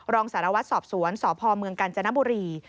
รองสารวัตรสอบสวนสพเมืองกาญจนบุรี